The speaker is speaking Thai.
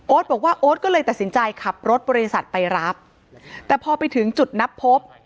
บอกว่าโอ๊ตก็เลยตัดสินใจขับรถบริษัทไปรับแต่พอไปถึงจุดนับพบ